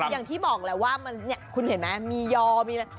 อย่างที่บอกแหละว่ามันเนี่ยคุณเห็นมั้ยมีย่อมีอะไร